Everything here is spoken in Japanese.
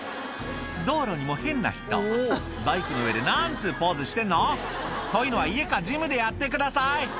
道路にも変な人バイクの上で何つうポーズしてんのそういうのは家かジムでやってください！